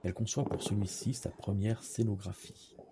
Elle conçoit pour celui-ci, sa première scénographie.